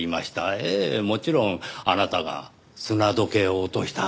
ええもちろんあなたが砂時計を落とした辺りにも。